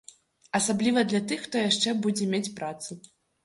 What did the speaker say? Асабліва для тых, хто яшчэ будзе мець працу.